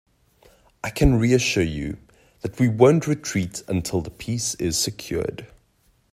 I can reassure you, that we won't retreat until the peace is secured.